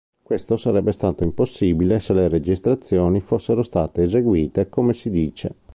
Questo sarebbe stato impossibile se le registrazioni fossero state eseguite come si dice.